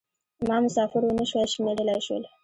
ما مسافر و نه شوای شمېرلای شول.